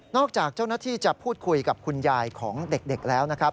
จากเจ้าหน้าที่จะพูดคุยกับคุณยายของเด็กแล้วนะครับ